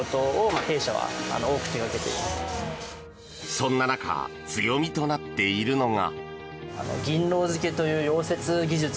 そんな中強みとなっているのが。